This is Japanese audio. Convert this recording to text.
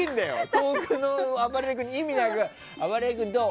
遠くのあばれる君にあばれる君どう？